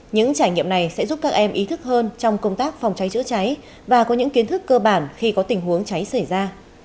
những trải nghiệm này sẽ giúp các em ý thức hơn trong công tác phòng cháy chữa cháy và có những kiến thức cơ bản khi có tình huống cháy xảy ra